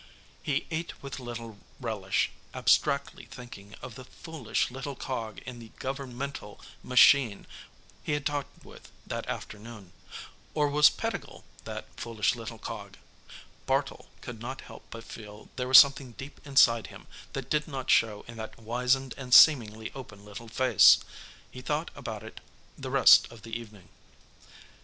He ate with little relish, abstractly thinking of the foolish little cog in the governmental machine he had talked with that afternoon. Or was Pettigill that foolish little cog? Bartle could not help but feel there was something deep inside him that did not show in that wizened and seemingly open little face. He thought about it the rest of the evening.